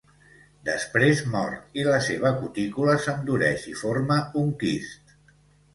Després mor i la seva cutícula s'endureix i forma un quist.